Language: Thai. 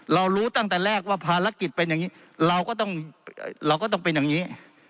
เรารู้ตั้งแต่แรกว่าภารกิจเป็นอย่างนี้เราก็ต้องเป็นอย่างนี้